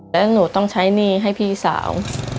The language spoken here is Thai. แล้วหนูต้องใช้หนี้ให้พี่สาว